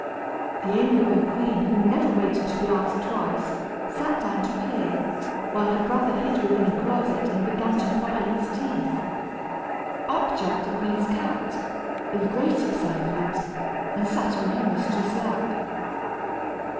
The amiable queen, who never waited to be asked twice, sat down to play, while her brother hid within a closet and began to file his teeth. Up jumped the queen's cat, in great excitement, and sat on her mistress' lap.